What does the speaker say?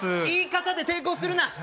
言い方で抵抗するな